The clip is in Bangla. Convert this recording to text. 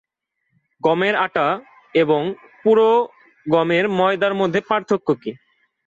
গমের আটা এবং পুরো গমের ময়দার মধ্যে পার্থক্য কী?